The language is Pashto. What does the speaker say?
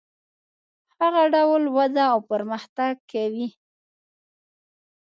هغه ډول وده او پرمختګ کوي.